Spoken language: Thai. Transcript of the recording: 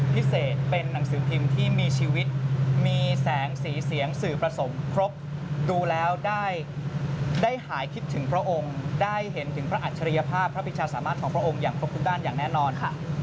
พิเศษเป็นหนังสือพิมพ์ที่มีชีวิตมีแสงสีเสียงสื่อประสงค์ครบดูแล้วได้หายคิดถึงพระองค์ได้เห็นถึงพระอัจฉริยภาพพระพิชาสามารถของพระองค์อย่างครบทุกด้านอย่างแน่นอนค่ะ